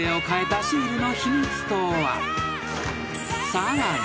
［さらに。